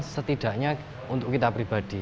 setidaknya untuk kita pribadi